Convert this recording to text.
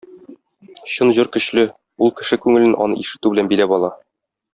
Чын җыр көчле, ул кеше күңелен аны ишетү белән биләп ала.